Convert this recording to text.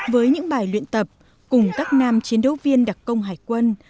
với những bài luyện tập cùng các nam chiến đấu viên đặc công hải quân